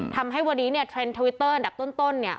ทำให้วันนี้เนี่ยเทรนด์ทวิตเตอร์อันดับต้นเนี่ย